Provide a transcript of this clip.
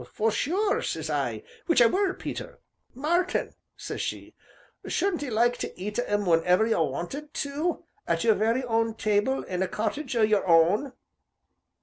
'For sure,' says I, which I were, Peter. 'Martin,' says she, 'shouldn't 'ee like to eat of 'em whenever you wanted to, at your very own table, in a cottage o' your own?'